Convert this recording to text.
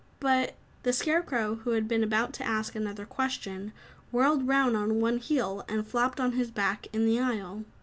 "But " The Scarecrow, who had been about to ask another question, whirled round on one heel, and flopped on his back in the aisle.